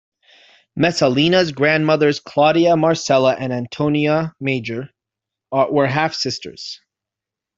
Messalina's grandmothers Claudia Marcella and Antonia Major were half sisters.